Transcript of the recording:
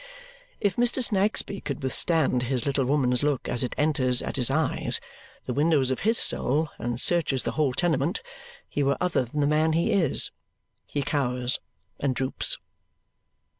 If Mr. Snagsby could withstand his little woman's look as it enters at his eyes, the windows of his soul, and searches the whole tenement, he were other than the man he is. He cowers and droops.